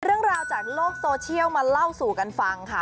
เรื่องราวจากโลกโซเชียลมาเล่าสู่กันฟังค่ะ